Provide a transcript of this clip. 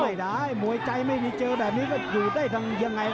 ได้มวยใจไม่มีเจอแบบนี้ก็อยู่ได้ทำยังไง